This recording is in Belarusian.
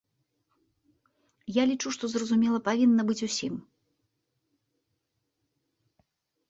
Я лічу, што зразумела павінна быць усім.